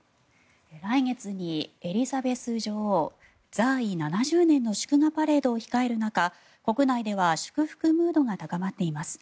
来月にエリザベス女王在位７０年の祝賀パレードを控える中国内では祝福ムードが高まっています。